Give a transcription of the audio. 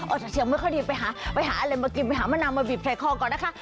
อ่ะอ่อแต่เสียงไม่ค่อยดีไปหาอะไรมากินไปหามะนางมาบีบใส่ข้อก่อนนะคะ